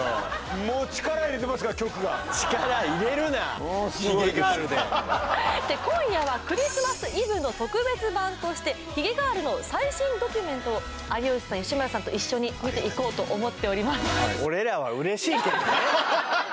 もう今夜はクリスマスイブの特別版としてひげガールの最新ドキュメントを有吉さん吉村さんと一緒に見ていこうと思っております